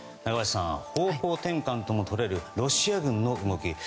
中林さん、方向転換ともとれるロシア軍の動き